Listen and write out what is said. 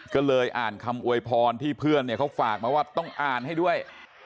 ก็เลยอ่านคำอวยพรที่เพื่อนเนี่ยเขาฝากมาว่าต้องอ่านให้ด้วย